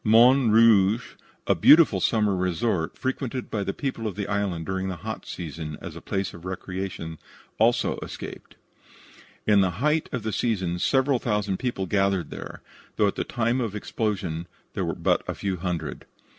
Morne Rouge, a beautiful summer resort, frequented by the people of the island during the hot season as a place of recreation, also escaped. In the height of the season several thousand people gathered there, though at the time of the explosion there were but a few hundred.